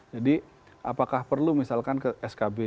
jadi apakah perlu misalkan ke skb